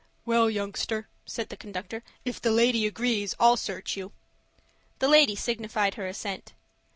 "Well, youngster," said the conductor, "if the lady agrees, I'll search you." The lady signified her assent.